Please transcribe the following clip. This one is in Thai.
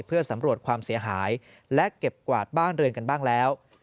เพื่อสำรวจความเสียหายและเก็บกวาดบ้านเรือนกันบ้างแล้ว